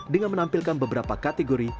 dengan menampilkan beberapa kategori